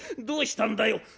どうしたんだよ！」。